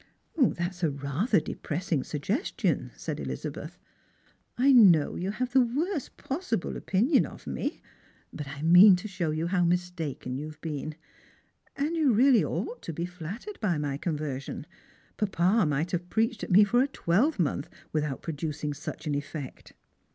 " That's rather a depressing suggestion," said Ehzabeth. " I know you have the worst possible opinion of me ; but I mean to show you how mistaken you have been. And you really ought to feel flattered by my conversion. Papa might have preached at me for a twelvemonth without producing such an effect."